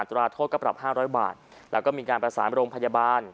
ตราโทษก็ปรับ๕๐๐บาทแล้วก็มีการประสานโรงพยาบาล